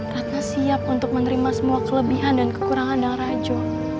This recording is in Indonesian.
ratna siap untuk menerima semua kelebihan dan kekurangan dan raju